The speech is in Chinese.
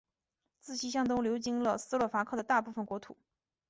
自西向东流经了斯洛伐克的大部分国土。